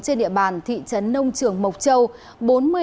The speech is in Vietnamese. trên địa bàn thị trấn nông trường mộc châu